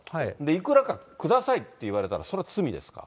いくらかくださいって言われたら、それは罪ですか？